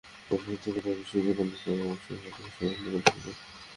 তথ্যপ্রযুক্তির কল্যাণে বিশ্বের যেকোনো স্থানে বসেই এখন চিকিৎসাসেবা গ্রহণ করা সম্ভব।